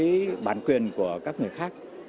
cái bản quyền của các người khác